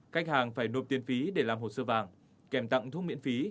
khách hàng phải nộp tiền phí để làm hồ sơ vàng kèm tặng thuốc miễn phí